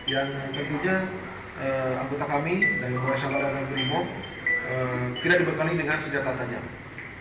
yang tentunya anggota kami dari polres sabara dan grimok tidak dibekali dengan senjata tajam